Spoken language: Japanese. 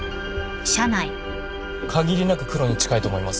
限りなくクロに近いと思います。